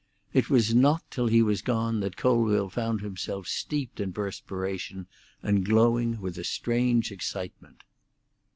It was not till he was gone that Colville found himself steeped in perspiration, and glowing with a strange excitement.